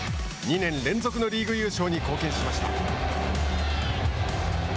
２年連続のリーグ優勝に貢献しました。